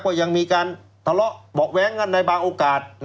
ก็ยังมีการทะเลาะเบาะแว้งกันในบางโอกาส